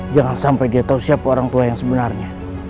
jangan sampai dia tahu siapa orang tua yang sebenarnya